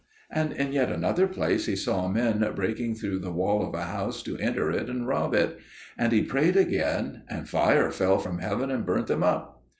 And in yet another place he saw men breaking through the wall of a house to enter it and rob it; and he prayed again, and fire fell from heaven and burnt them up.